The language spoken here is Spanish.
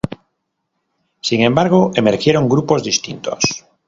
Sin embargo, emergieron grupos distintos.